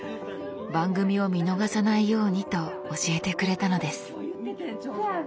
番組を見逃さないようにと教えてくれたのです。